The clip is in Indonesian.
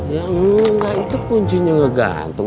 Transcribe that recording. ya bunga itu kuncinya ngegantung